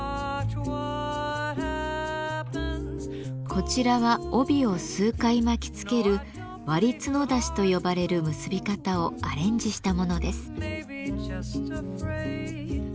こちらは帯を数回巻きつける「割角出し」と呼ばれる結び方をアレンジしたものです。